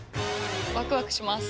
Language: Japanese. ワクワクします。